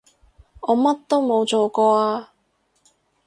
我乜都冇做過啊